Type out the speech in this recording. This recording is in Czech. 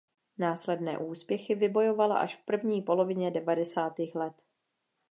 Následné úspěchy vybojovala až v první polovině devadesátých let.